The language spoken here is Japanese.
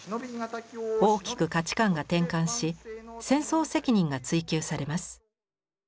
大きく価値観が転換し戦争責任が追及されます。